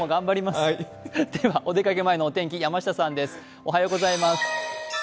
お出かけ前のお天気、山下さんです